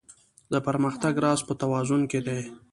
د پرمختګ راز په توازن کې دی.